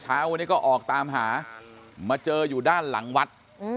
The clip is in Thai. เช้าวันนี้ก็ออกตามหามาเจออยู่ด้านหลังวัด